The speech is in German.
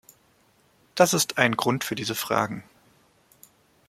Das ist ein Grund für diese Fragen.